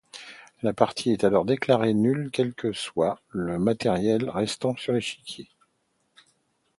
La partie est alors déclarée nulle quel que soit le matériel restant sur l'échiquier.